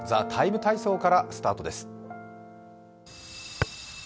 「ＴＨＥＴＩＭＥ，体操」からスタートです